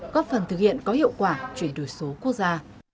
góp phần thực hiện có hiệu quả chuyển đổi số quốc gia